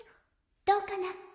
「どうかな？